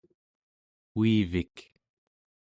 uivik